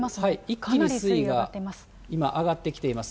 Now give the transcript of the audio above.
一気に水位が、今、上がってきています。